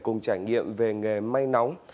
để cùng trải nghiệm về nghề may nóng